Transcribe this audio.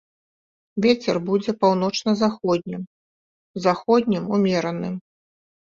Вецер будзе паўночна-заходнім, заходнім ўмераным.